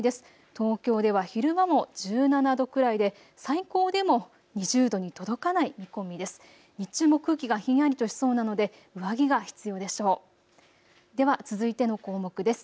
東京では昼間も１７度くらいで最高でも２０度に届かない見込みです。